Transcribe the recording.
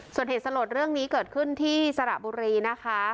ส่วนเหตุสลดเรื่องนี้เกิดขึ้นที่สระบุรีนะคะ